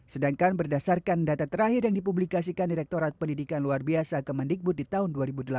sedangkan berdasarkan data terakhir yang dipublikasikan direktorat pendidikan luar biasa kemendikbud di tahun dua ribu delapan belas